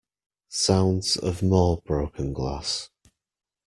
Sounds of more broken glass.